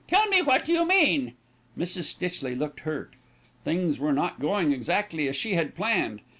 "Tell me what you mean." Mrs. Stitchley looked hurt. Things were not going exactly as she had planned.